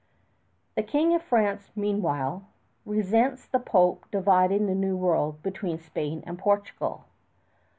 The King of France, meanwhile, resents the Pope dividing the New World between Spain and Portugal.